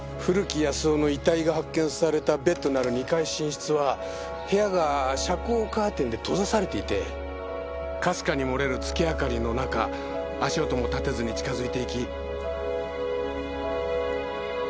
古木保男の遺体が発見されたベッドのある２階寝室は部屋が遮光カーテンで閉ざされていてかすかに漏れる月明かりの中足音も立てずに近づいていき。